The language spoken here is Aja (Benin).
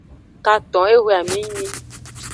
Katon ehwe amenyi.